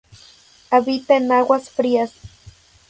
Habita en aguas frías.